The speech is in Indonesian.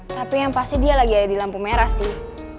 tapi yang pasti dia lagi ada di lampu merah sih